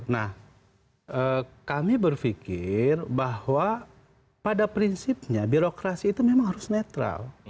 nah kami berpikir bahwa pada prinsipnya birokrasi itu memang harus netral